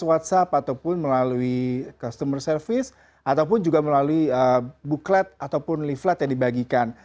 whatsapp ataupun melalui customer service ataupun juga melalui booklet ataupun leaflet yang dibagikan